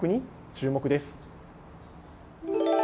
注目です。